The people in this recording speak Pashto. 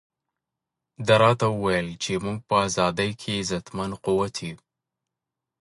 ده راته وویل چې موږ په ازادۍ کې اغېزمن قوت یو.